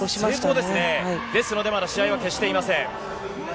ですので、まだ試合は決していません。